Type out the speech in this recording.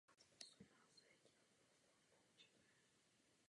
Willie zemře.